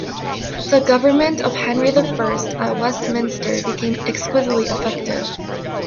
The government of Henry the First at Westminster became exquisitely effective.